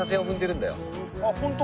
あっホント？